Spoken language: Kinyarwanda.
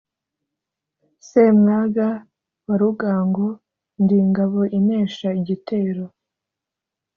Semwaga wa Rugango, ndi ingabo inesha igitero.